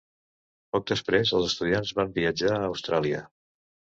Poc després, els estudiants van viatjar a Austràlia.